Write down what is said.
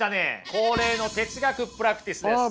恒例の哲学プラクティスです。